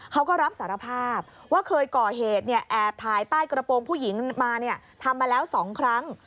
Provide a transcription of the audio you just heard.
เขาก็รับสารภาพว่าเคยก่อเหตุแอบถ่ายใต้กระโปรงผู้หญิงมาทำมาแล้ว๒ครั้ง